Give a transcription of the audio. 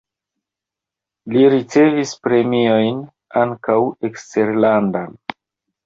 Li ricevis premiojn (ankaŭ eksterlandan).